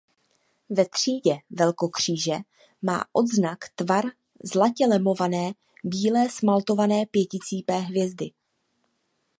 Ve třídě velkokříže má odznak tvar zlatě lemované bíle smaltované pěticípé hvězdy.